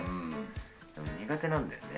でも苦手なんだよね。